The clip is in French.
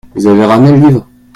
Vous avez ramené le livre ?